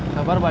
sabar mbak ya